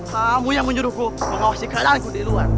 kamu yang menyuruhku mengawasi keadaanku di luar